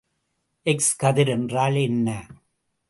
X கதிர் என்றால் என்ன?